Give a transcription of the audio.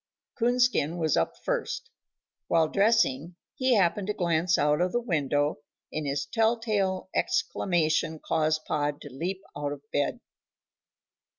Coonskin was up first. While dressing he happened to glance out of the window and his tell tale exclamation caused Pod to leap out of bed.